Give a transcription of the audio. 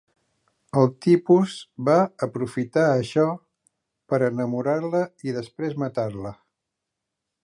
El tipus va aprofitar això per enamorar-la i després matar-la.